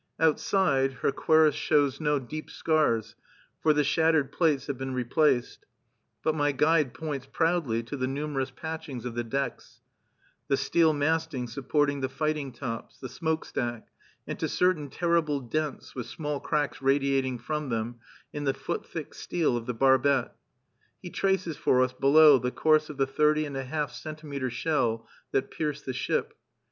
Outside, her cuirass shows no deep scars, for the shattered plates have been replaced; but my guide points proudly to the numerous patchings of the decks, the steel masting supporting the fighting tops, the smoke stack, and to certain terrible dents, with small cracks radiating from them, in the foot thick steel of the barbette. He traces for us, below, the course of the thirty and a half centimetre shell that pierced the ship.